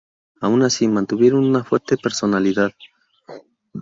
Aun así, mantuvieron una fuerte personalidad.